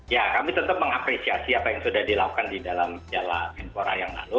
ya kami tetap mengapresiasi apa yang sudah dilakukan di dalam piala menpora yang lalu